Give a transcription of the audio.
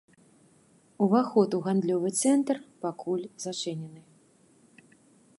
Уваход у гандлёвы цэнтр пакуль зачынены.